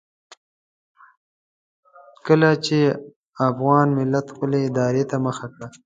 کله چې افغان ملت خپلې ارادې ته مخه کړه.